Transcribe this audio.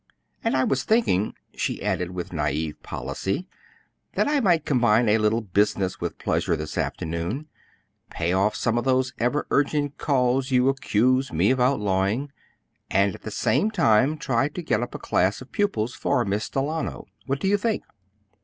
"And I was thinking," she added with naive policy, "that I might combine a little business with pleasure this afternoon, pay off some of those ever urgent calls you accuse me of outlawing, and at the same time try to get up a class of pupils for Miss Delano. What do you think?"